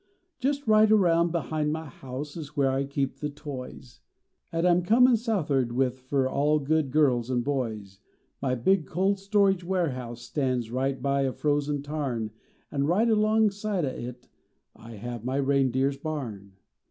Just right around behind my house Is where I keep the toys, At I am comin south ard with Fer all good girls an boys. My big cold storage warehouse stands Right by a frozen tarn An right along aside o it I have my reindeer s barn.